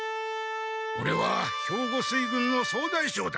オレは兵庫水軍の総大将だ！